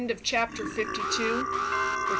CHAPTER FIFTY THREE.